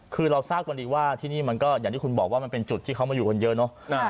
คือเราทราบกว่าที่นี่อย่างที่คุณบอกว่ามันเป็นจุดที่เข้ามาอยู่คนเยอะ